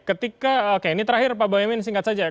ketika oke ini terakhir pak boyamin singkat saja